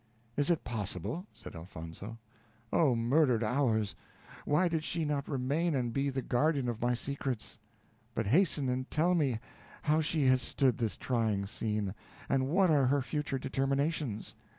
"Is it possible?" said Elfonzo. "Oh, murdered hours! Why did she not remain and be the guardian of my secrets? But hasten and tell me how she has stood this trying scene, and what are her future determinations."